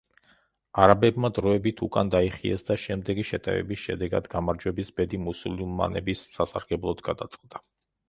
არაბებმა დროებით უკან დაიხიეს და შემდეგი შეტევების შედეგად გამარჯვების ბედი მუსულმანების სასარგებლოდ გადაწყდა.